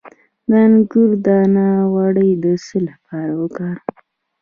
د انګور دانه غوړي د څه لپاره وکاروم؟